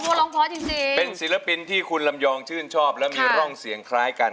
ร้องเพราะจริงจริงเป็นศิลปินที่คุณลำยองชื่นชอบและมีร่องเสียงคล้ายกัน